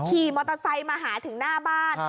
ขี่มอเตอร์ไซค์มาหาถึงหน้าบ้าน